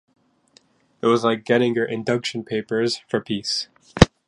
It was like getting your induction papers for peace!